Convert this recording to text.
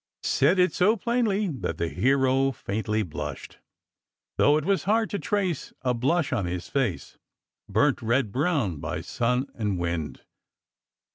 said it so plainly that the hero faintly blushed, SECRET HISTORY 43 though it was hard to trace a blush on his face, burnt red brown by sun and wind.